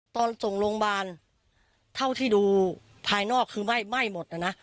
ตอนส่งโรงพยาบาลเท่าที่ดูภายนอกคือไหม้หมดนะนะ